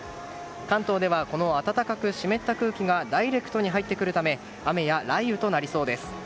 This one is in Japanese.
関東ではこの暖かく湿った空気がダイレクトに入ってくるため雨や雷雨になりそうです。